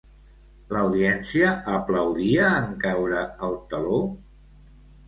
L'audiència aplaudia en caure el teló?